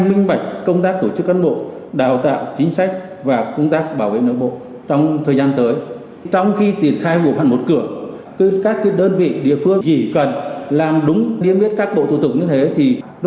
minh bạch và đạt hiệu quả cao theo yêu cầu của công tác cải cách hành chính